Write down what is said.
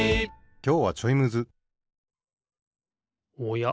きょうはちょいむずおや？